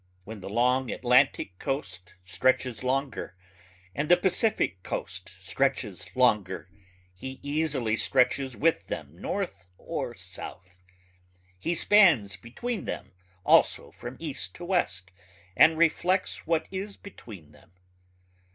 When the long Atlantic coast stretches longer and the Pacific coast stretches longer he easily stretches with them north or south. He spans between them also from east to west and reflects what is between them.